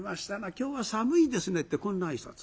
「今日は寒いですね」ってこんな挨拶。